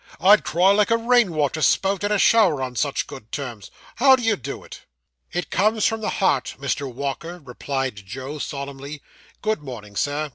I'd cry like a rain water spout in a shower on such good terms. How do you do it?' 'It comes from the heart, Mr. Walker,' replied Job solemnly. 'Good morning, sir.